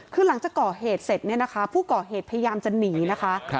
คือหลังจากก่อเหตุเสร็จเนี่ยนะคะผู้ก่อเหตุพยายามจะหนีนะคะ